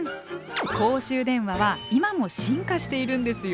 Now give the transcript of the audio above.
公衆電話は今も進化しているんですよ！